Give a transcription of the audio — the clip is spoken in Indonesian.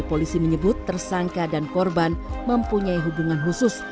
polisi menyebut tersangka dan korban mempunyai hubungan khusus